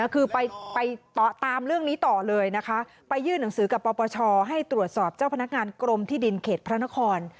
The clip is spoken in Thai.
คือไปตามเรื่องนี้ต่อเลยนะคะไปยื่นหนังสือกับปปชให้ตรวจสอบเจ้าพนักงานกรมที่ดินเขตพระนคร